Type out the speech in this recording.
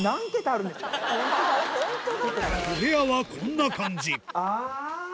お部屋はこんな感じあぁ！